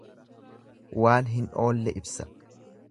Waan hin oollee ibsa.